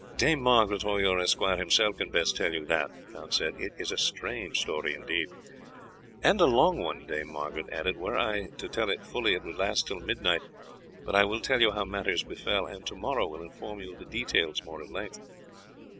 "Dame Margaret or your esquire himself can best tell you that," the count said. "It is a strange story indeed." "And a long one," Dame Margaret added. "Were I to tell it fully it would last till midnight, but I will tell you how matters befell, and to morrow will inform you of the details more at length."